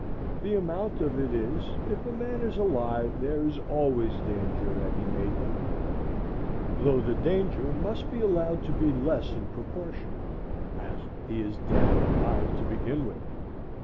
The amount of it is, if a man is alive, there is always danger that he may die, though the danger must be allowed to be less in proportion as he is dead and alive to begin with.